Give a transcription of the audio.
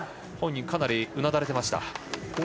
本人はかなりうなだれていました。